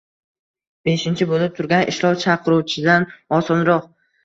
beshinchi bo‘lib turgan ishlab chiqaruvchidan osonroq…